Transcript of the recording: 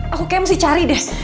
aku kayak mesti cari deh